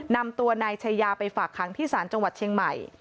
นำตัวนายชายาไปฝากขังที่ศาลจังหวัดเชียงใหม่